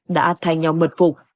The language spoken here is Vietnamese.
đã thay nhau mật phục